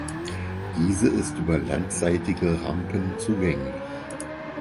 Diese ist über landseitige Rampen zugänglich.